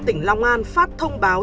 tỉnh long an phát thông báo